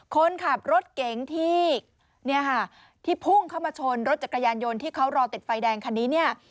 คนขับรถเก๋งที่พุ่งเข้ามาชนรถจักรยานยนต์ที่เขารอติดไฟแดงคันนี้เนี่ย